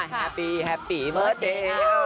แฮปปี้แฮปปี้เบอร์เดล